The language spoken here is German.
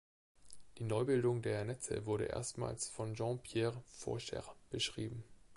Die Neubildung der Netze wurde erstmals von Jean-Pierre Vaucher beschrieben.